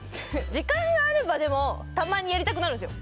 時間があればでもたまにやりたくなるんですよ